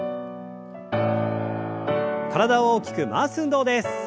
体を大きく回す運動です。